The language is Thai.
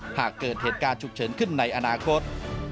หากเกิดเหตุการณ์ฉุกเฉินขึ้นในอนาคต